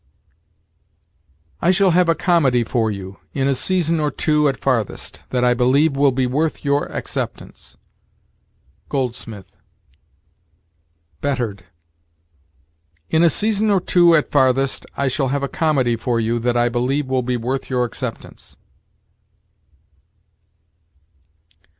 "I shall have a comedy for you, in a season or two at farthest, that I believe will be worth your acceptance." Goldsmith. Bettered: "In a season or two at farthest, I shall have a comedy for you that I believe will be worth your acceptance."